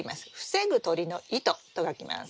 防ぐ鳥の糸と書きます。